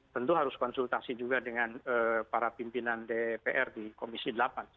tentu harus konsultasi juga dengan para pimpinan dpr di komisi delapan